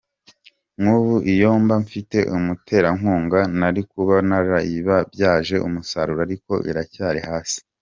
Nk’ubu iyo mba mfite umuterankunga nari kuba narayibyaje umusaruro ariko iracyari hasi.